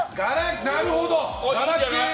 なるほど！